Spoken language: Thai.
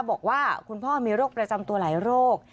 บอกว่าคุณพ่อมีโรคประจำตัวหลายโรค